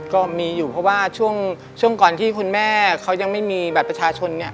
ก็มีอยู่เพราะว่าช่วงก่อนที่คุณแม่เขายังไม่มีบัตรประชาชนเนี่ย